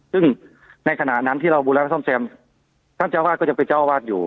ซึ่งในขณะนั้นที่เราบูรณะซ่อมแซมท่านเจ้าบ้านก็จะไปเจ้าบ้านอยู่